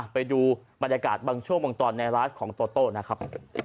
ไปดูบรรยากาศบังโชคบังตอนในร้านของโตโต้นะครับ